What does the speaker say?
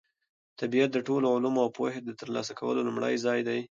طبیعت د ټولو علومو او پوهې د ترلاسه کولو لومړنی ځای دی.